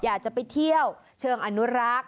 อยากจะไปเที่ยวเชิงอนุรักษ์